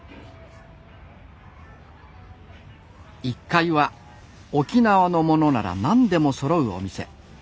１階は沖縄のものなら何でもそろうお店。